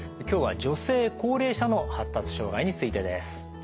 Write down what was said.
今日は女性・高齢者の発達障害についてです。